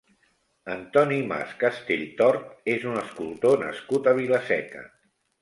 Antoni Mas Castelltort és un escultor nascut a Vila-seca.